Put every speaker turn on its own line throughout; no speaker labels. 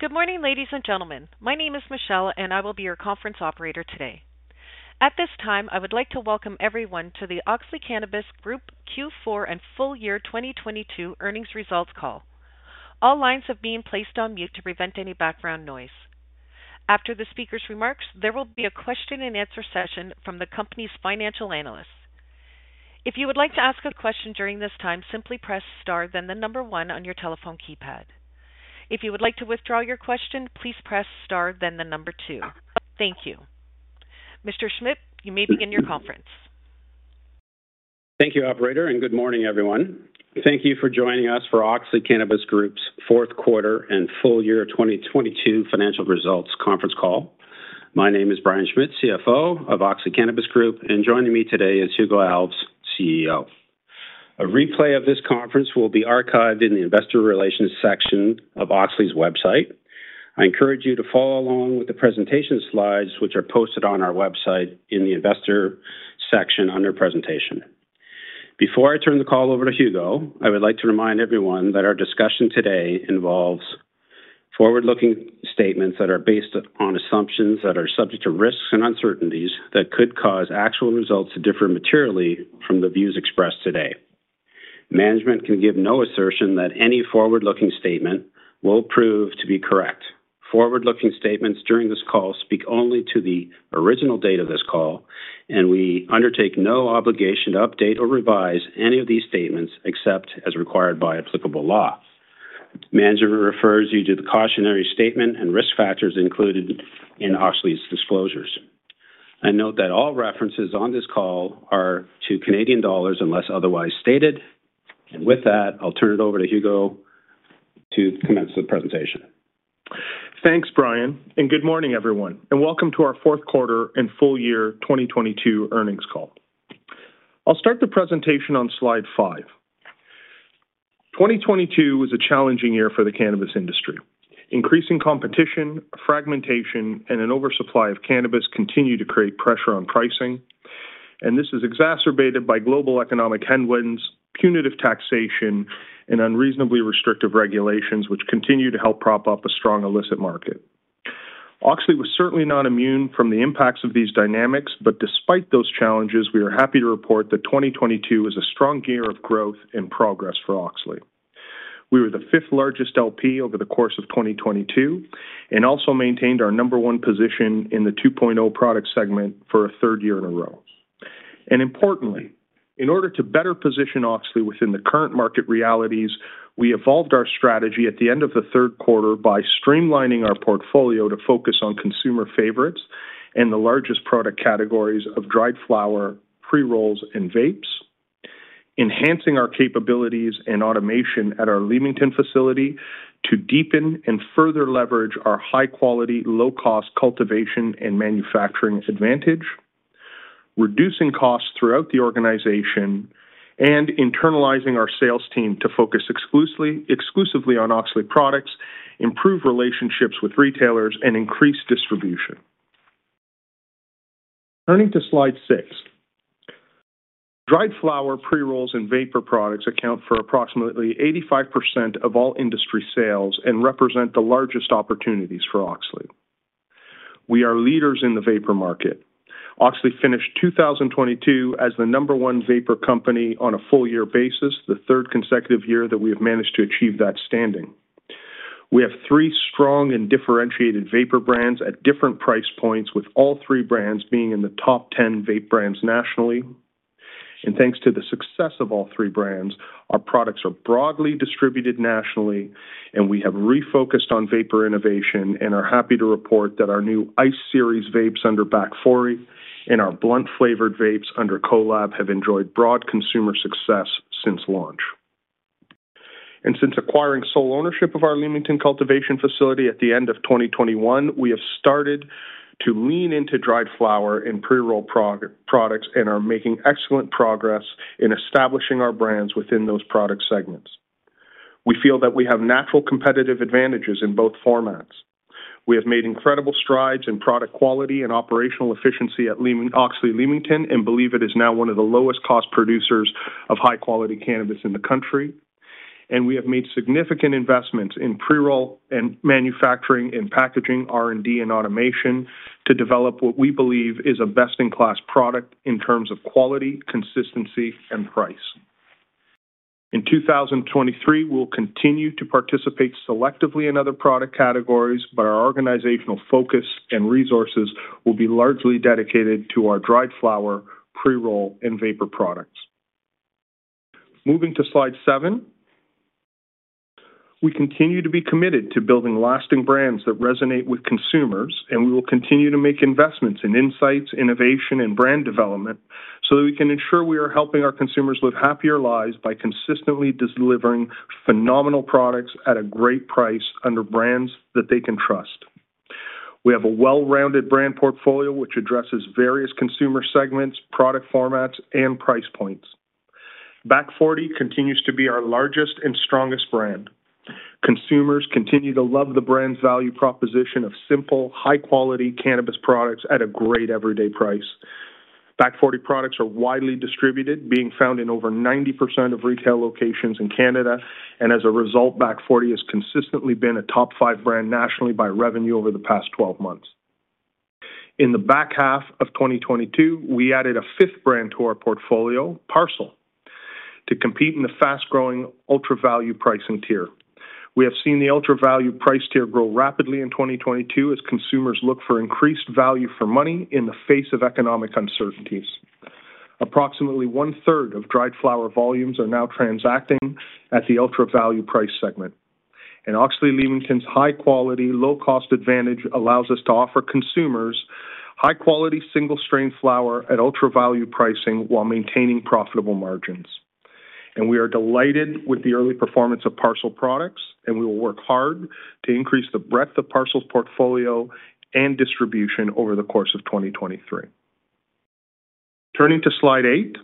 Good morning, ladies and gentlemen. My name is Michelle, and I will be your conference operator today. At this time, I would like to welcome everyone to the Auxly Cannabis Group Q4 and Full Year 2022 Earnings Results Call. All lines have been placed on mute to prevent any background noise. After the speaker's remarks, there will be a Q&A session from the company's financial analysts. If you would like to ask a question during this time, simply press star, then number one on your telephone keypad. If you would like to withdraw your question, please press star then number two. Thank you. Mr. Schmitt, you may begin your conference.
Thank you, operator. Good morning, everyone. Thank you for joining us for Auxly Cannabis Group's Fourth Quarter and Full Year 2022 Financial Results Conference Call. My name is Brian Schmitt, CFO of Auxly Cannabis Group, and joining me today is Hugo Alves, CEO. A replay of this conference will be archived in the investor relations section of Auxly's website. I encourage you to follow along with the presentation slides, which are posted on our website in the Investor section under Presentation. Before I turn the call over to Hugo, I would like to remind everyone that our discussion today involves forward-looking statements that are based on assumptions that are subject to risks and uncertainties that could cause actual results to differ materially from the views expressed today. Management can give no assertion that any forward-looking statement will prove to be correct. Forward-looking statements during this call speak only to the original date of this call, and we undertake no obligation to update or revise any of these statements except as required by applicable law. Management refers you to the cautionary statement and risk factors included in Auxly's disclosures. I note that all references on this call are to Canadian dollars unless otherwise stated. With that, I'll turn it over to Hugo to commence the presentation.
Thanks, Brian, and good morning, everyone, and welcome to our fourth quarter and full year 2022 earnings call. I'll start the presentation on slide five. 2022 was a challenging year for the cannabis industry. Increasing competition, fragmentation, and an oversupply of cannabis continue to create pressure on pricing, and this is exacerbated by global economic headwinds, punitive taxation, and unreasonably restrictive regulations, which continue to help prop up a strong illicit market. Auxly was certainly not immune from the impacts of these dynamics, but despite those challenges, we are happy to report that 2022 was a strong year of growth and progress for Auxly. We were the fifth-largest LP over the course of 2022 and also maintained our number one position in the Cannabis 2.0 product segment for a third year in a row. Importantly, in order to better position Auxly within the current market realities, we evolved our strategy at the end of the third quarter by streamlining our portfolio to focus on consumer favorites and the largest product categories of dried flower, pre-rolls, and vapes, enhancing our capabilities and automation at our Leamington facility to deepen and further leverage our high-quality, low-cost cultivation and manufacturing advantage, reducing costs throughout the organization, and internalizing our sales team to focus exclusively on Auxly products, improve relationships with retailers, and increase distribution. Turning to slide six. Dried flower, pre-rolls, and vapor products account for approximately 85% of all industry sales and represent the largest opportunities for Auxly. We are leaders in the vapor market. Auxly finished 2022 as the number one vapor company on a full year basis, the third consecutive year that we have managed to achieve that standing. We have three strong and differentiated vapor brands at different price points, with all three brands being in the top 10 vape brands nationally. Thanks to the success of all three brands, our products are broadly distributed nationally, we have refocused on vapor innovation and are happy to report that our new Ice Series vapes under Back Forty and our blunt-flavored vapes under Kolab have enjoyed broad consumer success since launch. Since acquiring sole ownership of our Leamington cultivation facility at the end of 2021, we have started to lean into dried flower and pre-roll products and are making excellent progress in establishing our brands within those product segments. We feel that we have natural competitive advantages in both formats. We have made incredible strides in product quality and operational efficiency at Auxly Leamington and believe it is now one of the lowest cost producers of high-quality cannabis in the country. We have made significant investments in pre-roll and manufacturing and packaging, R&D, and automation to develop what we believe is a best-in-class product in terms of quality, consistency, and price. In 2023, we'll continue to participate selectively in other product categories, but our organizational focus and resources will be largely dedicated to our dried flower, pre-roll, and vapor products. Moving to slide seven. We continue to be committed to building lasting brands that resonate with consumers, and we will continue to make investments in insights, innovation, and brand development so that we can ensure we are helping our consumers live happier lives by consistently delivering phenomenal products at a great price under brands that they can trust. We have a well-rounded brand portfolio which addresses various consumer segments, product formats, and price points. Back Forty continues to be our largest and strongest brand. Consumers continue to love the brand's value proposition of simple, high-quality cannabis products at a great everyday price. Back Forty products are widely distributed, being found in over 90% of retail locations in Canada, and as a result, Back Forty has consistently been a top five brand nationally by revenue over the past 12 months. In the back half of 2022, we added a fifth brand to our portfolio, Parcel, to compete in the fast-growing ultra value pricing tier. We have seen the ultra value price tier grow rapidly in 2022 as consumers look for increased value for money in the face of economic uncertainties. Approximately one-third of dried flower volumes are now transacting at the ultra value price segment. Auxly Leamington's high quality, low cost advantage allows us to offer consumers high quality single strain flower at ultra value pricing while maintaining profitable margins. We are delighted with the early performance of Parcel products, and we will work hard to increase the breadth of Parcel portfolio and distribution over the course of 2023. Turning to slide eight.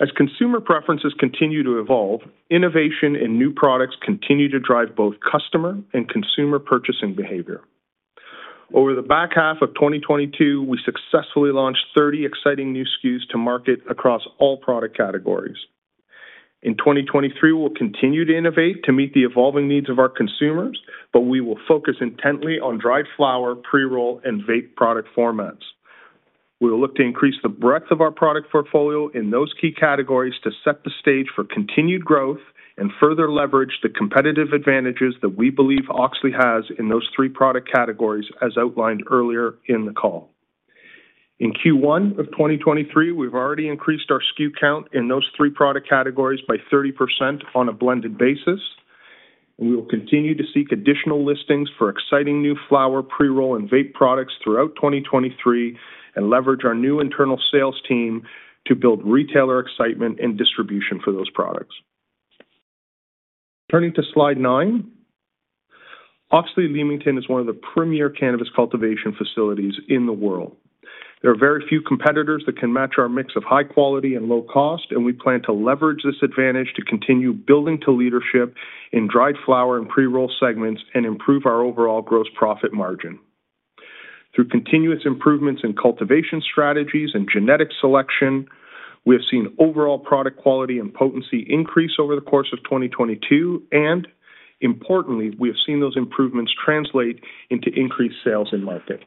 As consumer preferences continue to evolve, innovation and new products continue to drive both customer and consumer purchasing behavior. Over the back half of 2022, we successfully launched 30 exciting new SKUs to market across all product categories. In 2023, we'll continue to innovate to meet the evolving needs of our consumers. We will focus intently on dried flower, pre-roll, and vape product formats. We will look to increase the breadth of our product portfolio in those key categories to set the stage for continued growth and further leverage the competitive advantages that we believe Auxly has in those three product categories, as outlined earlier in the call. In Q1 of 2023, we've already increased our SKU count in those three product categories by 30% on a blended basis. We will continue to seek additional listings for exciting new flower, pre-roll, and vape products throughout 2023. We will leverage our new internal sales team to build retailer excitement and distribution for those products. Turning to slide nine. Auxly Leamington is one of the premier cannabis cultivation facilities in the world. There are very few competitors that can match our mix of high quality and low cost, and we plan to leverage this advantage to continue building to leadership in dried flower and pre-roll segments and improve our overall gross profit margin. Through continuous improvements in cultivation strategies and genetic selection, we have seen overall product quality and potency increase over the course of 2022, and importantly, we have seen those improvements translate into increased sales in market.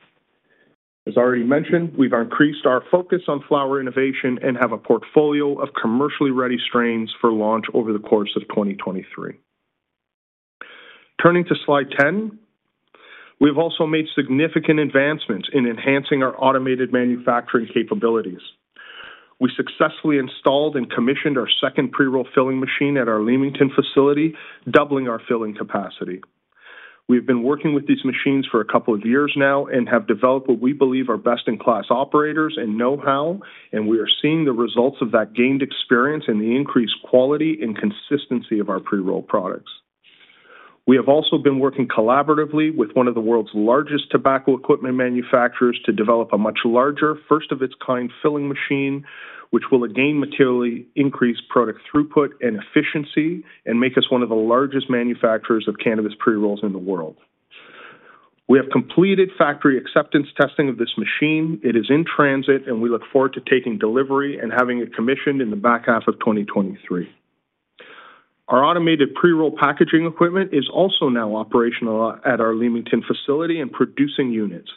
As already mentioned, we've increased our focus on flower innovation and have a portfolio of commercially ready strains for launch over the course of 2023. Turning to slide 10. We've also made significant advancements in enhancing our automated manufacturing capabilities. We successfully installed and commissioned our second pre-roll filling machine at our Leamington facility, doubling our filling capacity. We've been working with these machines for couple of years now and have developed what we believe are best-in-class operators and know-how, and we are seeing the results of that gained experience and the increased quality and consistency of our pre-roll products. We have also been working collaboratively with one of the world's largest tobacco equipment manufacturers to develop a much larger, first of its kind filling machine, which will again materially increase product throughput and efficiency and make us one of the largest manufacturers of cannabis pre-rolls in the world. We have completed factory acceptance testing of this machine. It is in transit, and we look forward to taking delivery and having it commissioned in the back half of 2023. Our automated pre-roll packaging equipment is also now operational at our Leamington facility and producing units.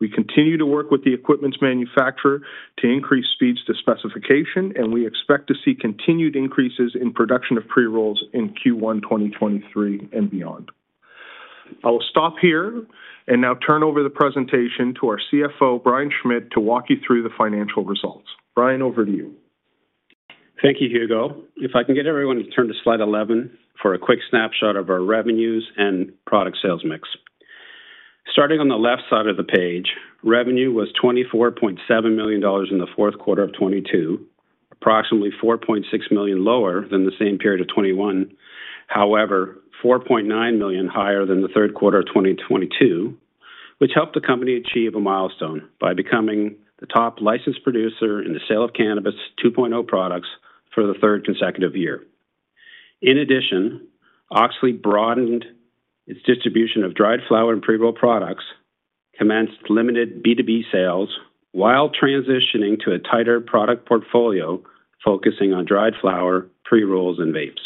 We continue to work with the equipment's manufacturer to increase speeds to specification, and we expect to see continued increases in production of pre-rolls in Q1 2023 and beyond. I will stop here and now turn over the presentation to our CFO, Brian Schmitt, to walk you through the financial results. Brian, over to you.
Thank you, Hugo. If I can get everyone to turn to slide 11 for a quick snapshot of our revenues and product sales mix. Starting on the left side of the page, revenue was 24.7 million dollars in the fourth quarter of 2022, approximately 4.6 million lower than the same period of 2021. 4.9 million higher than the third quarter of 2022, which helped the company achieve a milestone by becoming the top licensed producer in the sale of Cannabis 2.0 products for the third consecutive year. Auxly broadened its distribution of dried flower and pre-roll products, commenced limited B2B sales while transitioning to a tighter product portfolio, focusing on dried flower, pre-rolls, and vapes.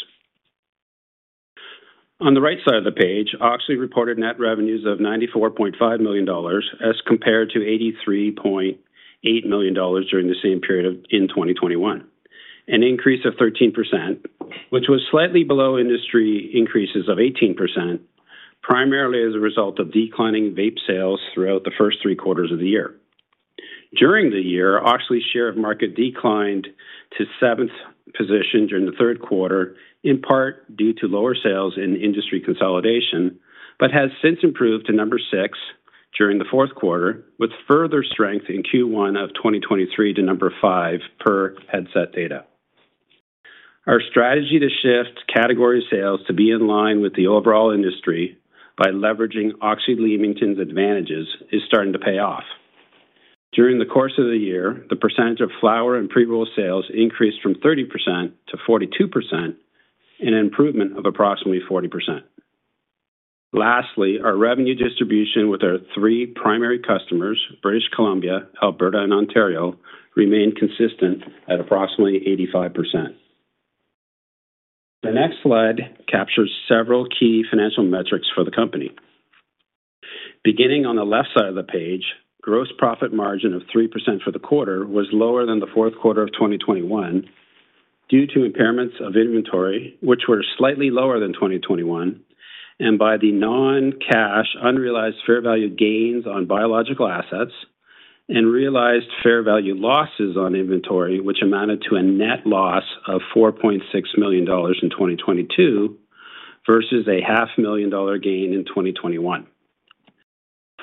On the right side of the page, Auxly reported net revenues of 94.5 million dollars as compared to 83.8 million dollars during the same period in 2021. An increase of 13%, which was slightly below industry increases of 18%, primarily as a result of declining vape sales throughout the first three quarters of the year. During the year, Auxly's share of market declined to seventh position during the third quarter, in part due to lower sales in industry consolidation, but has since improved to number six during the fourth quarter, with further strength in Q1 of 2023 to number 5 per Headset data. Our strategy to shift category sales to be in line with the overall industry by leveraging Auxly Leamington's advantages is starting to pay off. During the course of the year, the percentage of flower and pre-roll sales increased from 30%-42%, an improvement of approximately 40%. Lastly, our revenue distribution with our three primary customers, British Columbia, Alberta, and Ontario, remain consistent at approximately 85%. The next slide captures several key financial metrics for the company. Beginning on the left side of the page, gross profit margin of 3% for the quarter was lower than the fourth quarter of 2021 due to impairments of inventory, which were slightly lower than 2021, and by the non-cash unrealized fair value gains on biological assets and realized fair value losses on inventory, which amounted to a net loss of 4.6 million dollars in 2022 versus a half million dollar gain in 2021.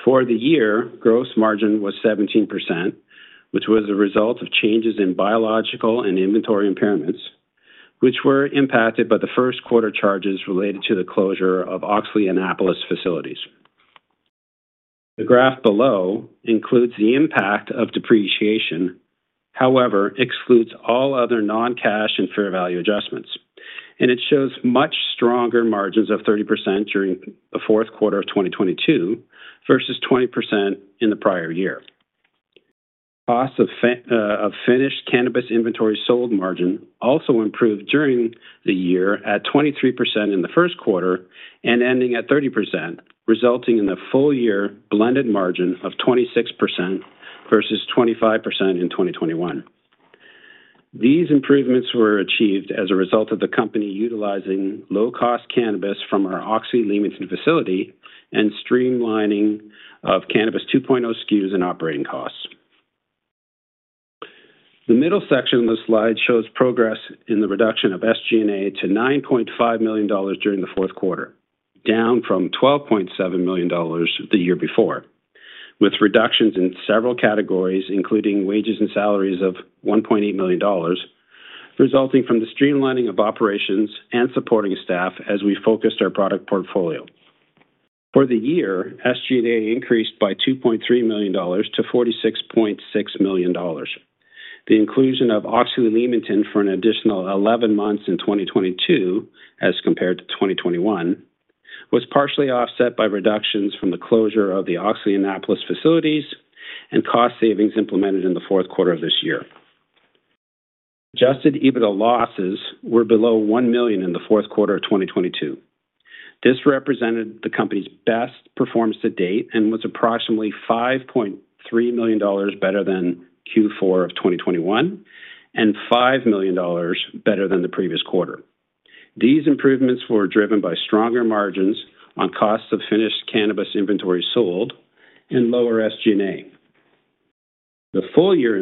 For the year, gross margin was 17%, which was a result of changes in biological and inventory impairments, which were impacted by the first quarter charges related to the closure of Auxly Annapolis facilities. The graph below includes the impact of depreciation, however, excludes all other non-cash and fair value adjustments, and it shows much stronger margins of 30% during the fourth quarter of 2022 versus 20% in the prior year. Cost of finished cannabis inventory sold margin also improved during the year at 23% in the first quarter and ending at 30%, resulting in a full year blended margin of 26% versus 25% in 2021. These improvements were achieved as a result of the company utilizing low-cost cannabis from our Auxly Leamington facility and streamlining of Cannabis 2.0 SKUs and operating costs. The middle section of the slide shows progress in the reduction of SG&A to 9.5 million dollars during the fourth quarter, down from 12.7 million dollars the year before, with reductions in several categories, including wages and salaries of 1.8 million dollars, resulting from the streamlining of operations and supporting staff as we focused our product portfolio. For the year, SG&A increased by 2.3 million dollars to 46.6 million dollars. The inclusion of Auxly Leamington for an additional 11 months in 2022, as compared to 2021, was partially offset by reductions from the closure of the Auxly Annapolis facilities and cost savings implemented in the fourth quarter of this year. Adjusted EBITDA losses were below 1 million in the fourth quarter of 2022. This represented the company's best performance to date and was approximately 5.3 million dollars better than Q4 of 2021 and 5 million dollars better than the previous quarter. These improvements were driven by stronger margins on cost of finished cannabis inventory sold and lower SG&A. The full year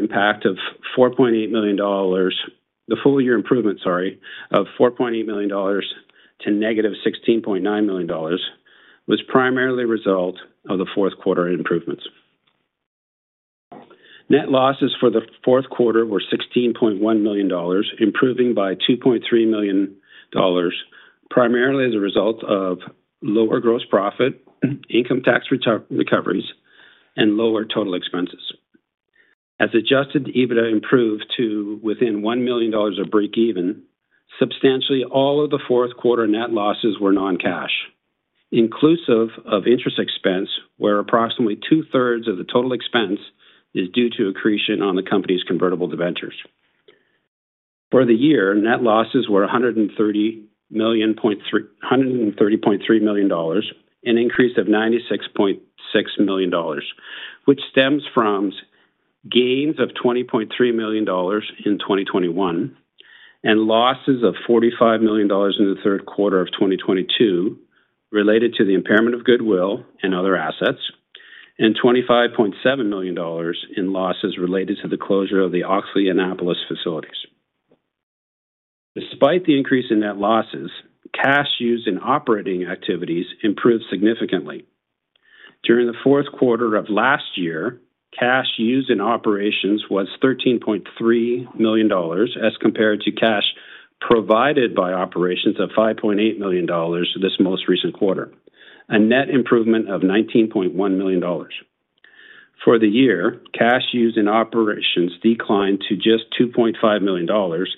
improvement, sorry, of 4.8 million dollars to negative 16.9 million dollars was primarily a result of the fourth quarter improvements. Net losses for the fourth quarter were 16.1 million dollars, improving by 2.3 million dollars, primarily as a result of lower gross profit, income tax recoveries, and lower total expenses. As adjusted EBITDA improved to within 1 million dollars of breakeven. Substantially, all of the fourth quarter net losses were non-cash. Inclusive of interest expense, where approximately two-thirds of the total expense is due to accretion on the company's convertible debentures. For the year, net losses were 130.3 million, an increase of 96.6 million dollars, which stems from gains of 20.3 million dollars in 2021 and losses of 45 million dollars in the third quarter of 2022 related to the impairment of goodwill and other assets, and 25.7 million dollars in losses related to the closure of the Auxly Annapolis facilities. Despite the increase in net losses, cash used in operating activities improved significantly. During Q4 of last year, cash used in operations was 13.3 million dollars as compared to cash provided by operations of 5.8 million dollars this most recent quarter, a net improvement of 19.1 million dollars. For the year, cash used in operations declined to just 2.5 million dollars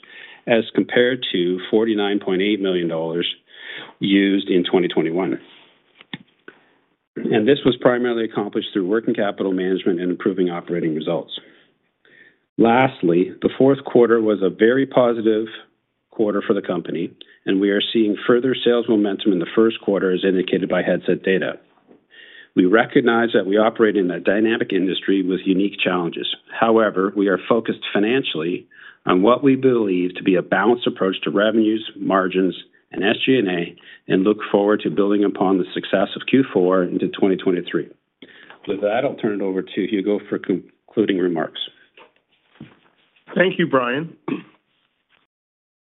as compared to 49.8 million dollars used in 2021. This was primarily accomplished through working capital management and improving operating results. Lastly, the fourth quarter was a very positive quarter for the company, and we are seeing further sales momentum in the first quarter as indicated by Headset data. We recognize that we operate in a dynamic industry with unique challenges. We are focused financially on what we believe to be a balanced approach to revenues, margins, and SG&A, and look forward to building upon the success of Q4 into 2023. With that, I'll turn it over to Hugo for concluding remarks.
Thank you, Brian.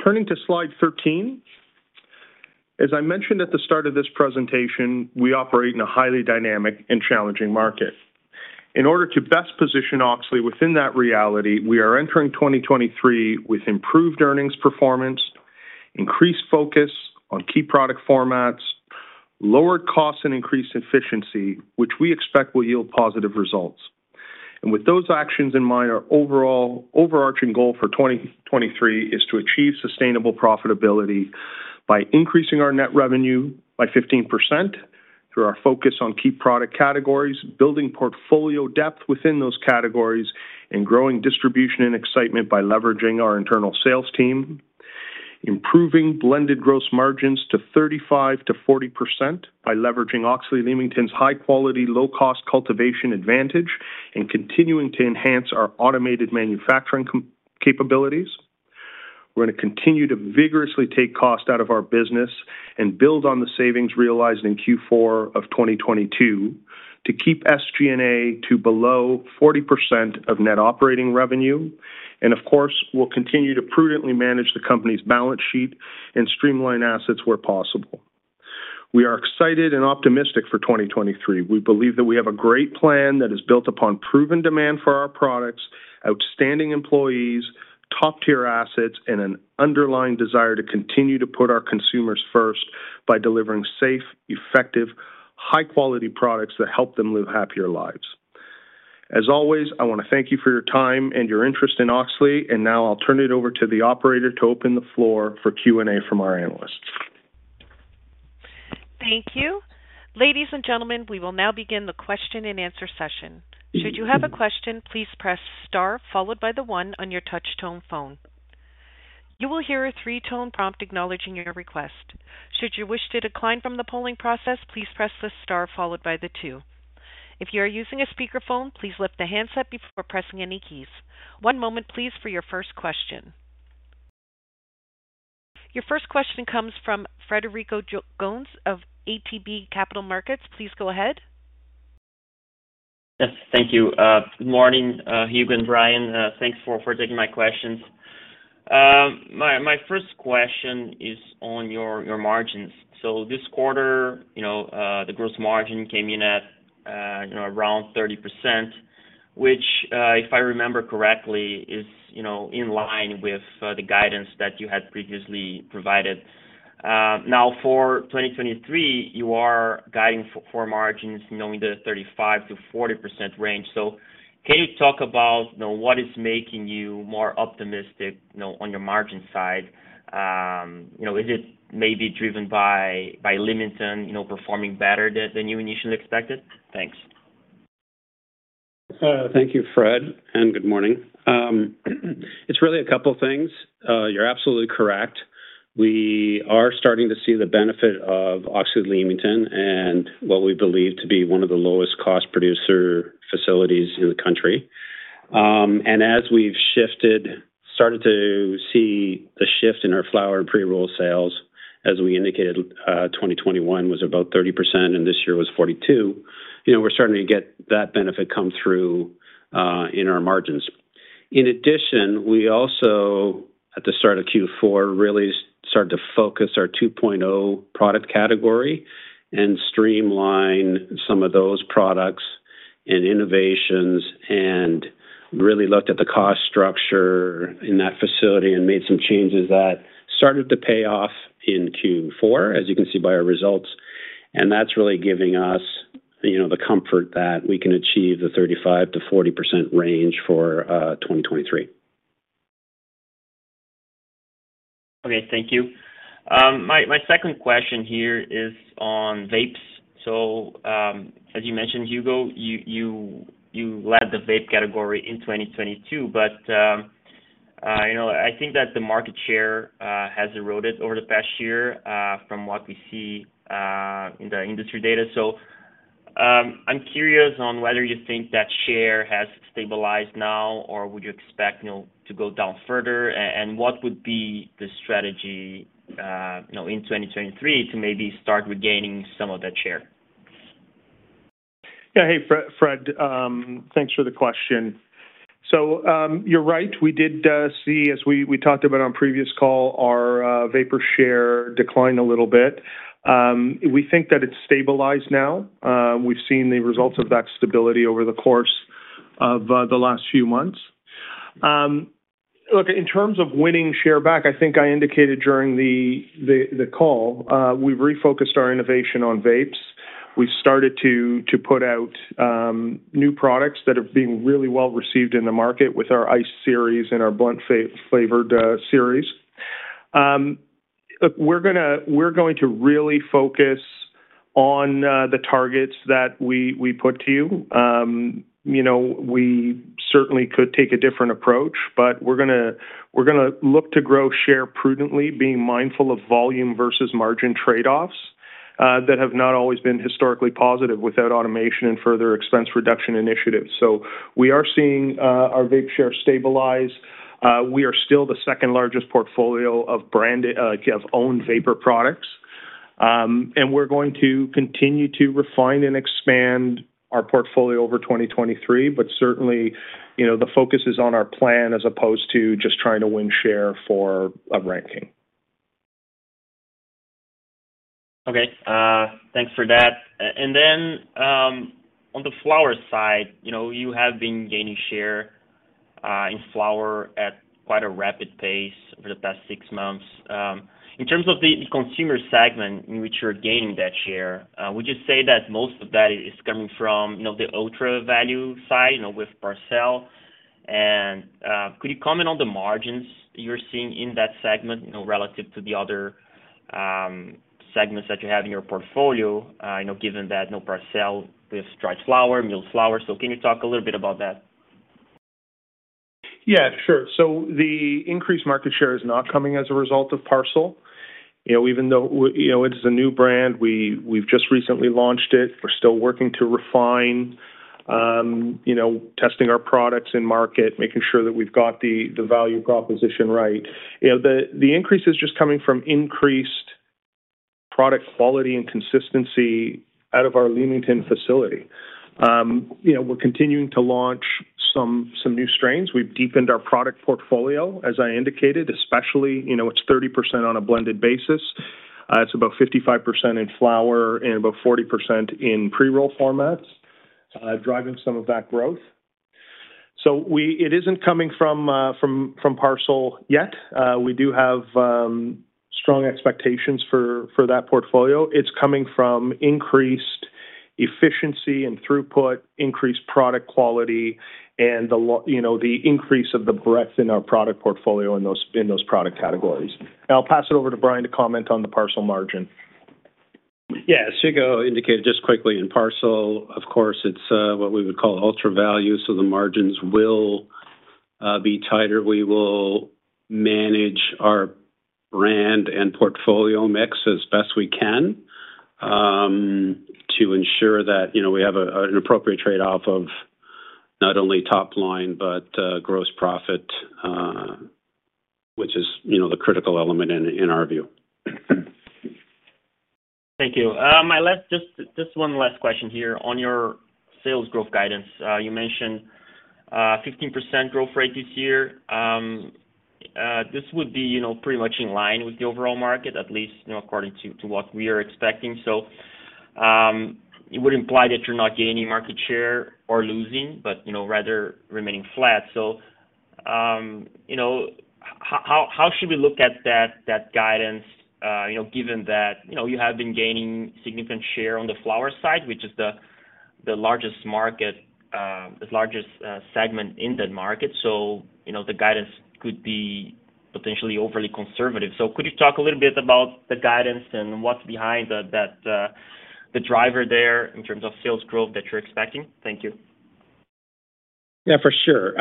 Turning to slide 13. As I mentioned at the start of this presentation, we operate in a highly dynamic and challenging market. In order to best position Auxly within that reality, we are entering 2023 with improved earnings performance, increased focus on key product formats, lower costs and increased efficiency, which we expect will yield positive results. With those actions in mind, our overall overarching goal for 2023 is to achieve sustainable profitability by increasing our net revenue by 15% through our focus on key product categories, building portfolio depth within those categories, and growing distribution and excitement by leveraging our internal sales team. Improving blended gross margins to 35%-40% by leveraging Auxly Leamington's high quality, low cost cultivation advantage, and continuing to enhance our automated manufacturing capabilities. We're gonna continue to vigorously take cost out of our business and build on the savings realized in Q4 of 2022 to keep SG&A to below 40% of net operating revenue. Of course, we'll continue to prudently manage the company's balance sheet and streamline assets where possible. We are excited and optimistic for 2023. We believe that we have a great plan that is built upon proven demand for our products, outstanding employees, top-tier assets, and an underlying desire to continue to put our consumers first by delivering safe, effective, high quality products that help them live happier lives. As always, I wanna thank you for your time and your interest in Auxly. Now I'll turn it over to the operator to open the floor for Q&A from our analysts.
Thank you. Ladies and gentlemen, we will now begin the question-and-answer session. Should you have a question, please press star, followed by the one on your touch tone phone. You will hear a three-tone prompt acknowledging your request. Should you wish to decline from the polling process, please press the Star followed by the two. If you are using a speakerphone, please lift the handset before pressing any keys. One moment please for your first question. Your first question comes from Frederico Gomes of ATB Capital Markets. Please go ahead.
Yes, thank you. Good morning, Hugo and Brian. Thanks for taking my questions. My first question is on your margins. This quarter, you know, the gross margin came in at around 30%, which, if I remember correctly, is in line with the guidance that you had previously provided. Now for 2023, you are guiding for margins knowing the 35%-40% range. Can you talk about, you know, what is making you more optimistic, you know, on your margin side? You know, is it maybe driven by Leamington, you know, performing better than you initially expected? Thanks.
Thank you, Fred, and good morning. It's really a couple things. You're absolutely correct. We are starting to see the benefit of Auxly Leamington and what we believe to be one of the lowest cost producer facilities in the country. And as we started to see a shift in our flower pre-roll sales, as we indicated, 2021 was about 30%, and this year was 42%, you know, we're starting to get that benefit come through in our margins. In addition, we also, at the start of Q4, really started to focus our 2.0 product category and streamline some of those products and innovations and really looked at the cost structure in that facility and made some changes that started to pay off in Q4, as you can see by our results. That's really giving us, you know, the comfort that we can achieve the 35%-40% range for, 2023.
Okay. Thank you. My, my second question here is on vapes. As you mentioned, Hugo, you, you led the vape category in 2022, but, you know, I think that the market share has eroded over the past year from what we see in the industry data. I'm curious on whether you think that share has stabilized now or would you expect, you know, to go down further and what would be the strategy, you know, in 2023 to maybe start regaining some of that share?
Yeah. Hey, Fred. Thanks for the question. You're right. We did see, as we talked about on previous call, our vapor share decline a little bit. We think that it's stabilized now. We've seen the results of that stability over the course of the last few months. Look, in terms of winning share back, I think I indicated during the call, we've refocused our innovation on vapes. We've started to put out new products that are being really well received in the market with our Ice Series and our blunt-flavored series. Look, we're going to really focus on the targets that we put to you. You know, we certainly could take a different approach, but we're gonna look to grow share prudently, being mindful of volume versus margin trade-offs that have not always been historically positive without automation and further expense reduction initiatives. We are seeing our vape share stabilize. We are still the second largest portfolio of brand of own vapor products. We're going to continue to refine and expand our portfolio over 2023, but certainly, you know, the focus is on our plan as opposed to just trying to win share for a ranking.
Okay. Thanks for that. Then, on the flower side, you know, you have been gaining share in flower at quite a rapid pace over the past six months. In terms of the consumer segment in which you're gaining that share, would you say that most of that is coming from, you know, the ultra value side, you know, with Parcel? Could you comment on the margins you're seeing in that segment, you know, relative to the other segments that you have in your portfolio, you know, given that no Parcel with dried flower, milled flower? Can you talk a little bit about that?
Yeah, sure. The increased market share is not coming as a result of Parcel. You know, even though, you know, it is a new brand, we've just recently launched it. We're still working to refine, you know, testing our products in market, making sure that we've got the value proposition right. You know, the increase is just coming from increased product quality and consistency out of our Leamington facility. You know, we're continuing to launch some new strains. We've deepened our product portfolio, as I indicated, especially, you know, it's 30% on a blended basis. It's about 55% in flower and about 40% in pre-roll formats, driving some of that growth. It isn't coming from Parcel yet. We do have strong expectations for that portfolio. It's coming from increased efficiency and throughput, increased product quality, and you know, the increase of the breadth in our product portfolio in those product categories. I'll pass it over to Brian to comment on the Parcel margin.
Yeah. You go indicate just quickly in Parcel, of course, it's, what we would call ultra value, so the margins will, be tighter. We will manage our brand and portfolio mix as best we can, to ensure that, you know, we have a, an appropriate trade-off of not only top line, but, gross profit, which is, you know, the critical element in our view.
Thank you. My last, just one last question here. On your sales growth guidance, you mentioned 15% growth rate this year. This would be, you know, pretty much in line with the overall market, at least, you know, according to what we are expecting. It would imply that you're not gaining market share or losing, but, you know, rather remaining flat. You know, how should we look at that guidance, you know, given that, you know, you have been gaining significant share on the flower side, which is the largest market, the largest segment in that market. You know, the guidance could be potentially overly conservative. Could you talk a little bit about the guidance and what's behind the driver there in terms of sales growth that you're expecting? Thank you.
Yeah, for sure.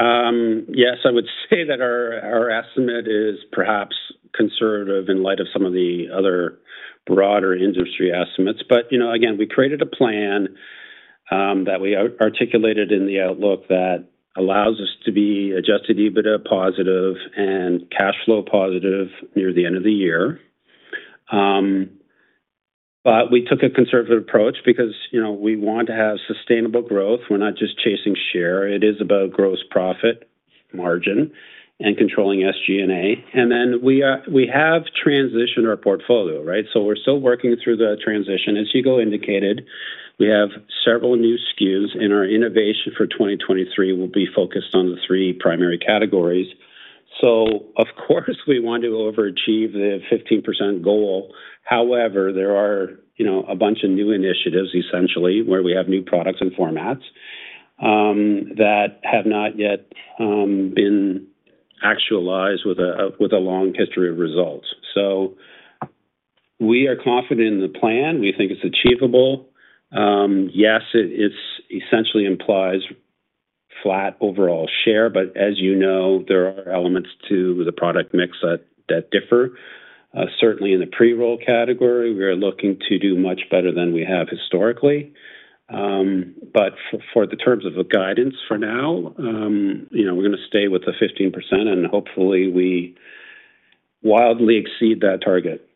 Yes, I would say that our estimate is perhaps conservative in light of some of the other broader industry estimates. You know, again, we created a plan that we articulated in the outlook that allows us to be adjusted EBITDA positive and cash flow positive near the end of the year. We took a conservative approach because, you know, we want to have sustainable growth. We're not just chasing share. It is about gross profit margin and controlling SG&A. We have transitioned our portfolio, right? We're still working through the transition. As Hugo indicated, we have several new SKUs, and our innovation for 2023 will be focused on the three primary categories. Of course, we want to overachieve the 15% goal. However, there are, you know, a bunch of new initiatives essentially, where we have new products and formats, that have not yet been actualized with a long history of results. We are confident in the plan. We think it's achievable. Yes, it's essentially implies flat overall share. As you know, there are elements to the product mix that differ. Certainly in the pre-roll category, we are looking to do much better than we have historically. For the terms of a guidance for now, you know, we're gonna stay with the 15% and hopefully we wildly exceed that target.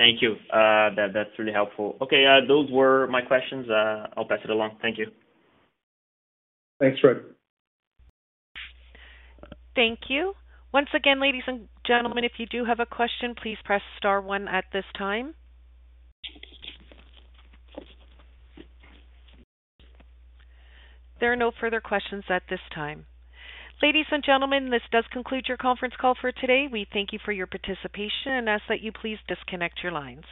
Thank you. That's really helpful. Okay. Those were my questions. I'll pass it along. Thank you.
Thanks, Fred.
Thank you. Once again, ladies and gentlemen, if you do have a question, please press star one at this time. There are no further questions at this time. Ladies and gentlemen, this does conclude your conference call for today. We thank you for your participation and ask that you please disconnect your lines.